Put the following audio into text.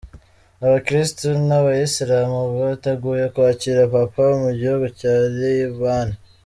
Abakirisitu n’Abayisilamu biteguye kwakira Papa Mugihugu Cya Ribani